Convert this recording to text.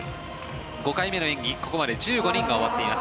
５回目の演技はここまで１５人が終わっています。